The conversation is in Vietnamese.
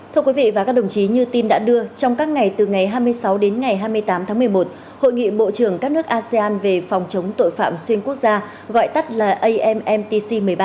thưa quý vị và các đồng chí như tin đã đưa trong các ngày từ ngày hai mươi sáu đến ngày hai mươi tám tháng một mươi một hội nghị bộ trưởng các nước asean về phòng chống tội phạm xuyên quốc gia gọi tắt là ammtc một mươi ba